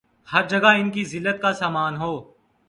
ہر جگہ ان کی زلت کا سامان ہو